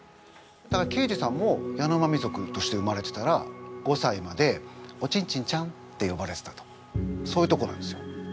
だからけいじさんもヤノマミ族として生まれてたら５さいまで「おちんちんちゃん」ってよばれてたとそういうとこなんですよ。